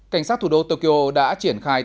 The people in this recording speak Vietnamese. cảnh sát thủ đô tokyo đã triển khai